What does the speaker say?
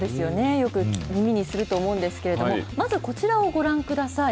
よく耳にすると思うんですけれども、まずこちらをご覧ください。